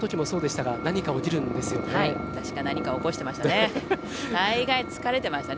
私が何か起こしてましたね。